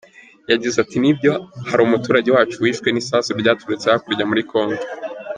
Yagize ati “Nibyo hari umuturage wacu wishwe n’isasu ryaturutse hakurya muri Congo.